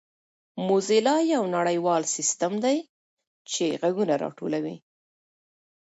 موزیلا یو نړیوال سیسټم دی چې ږغونه راټولوي.